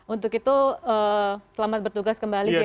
untuk itu selamat bertugas kembali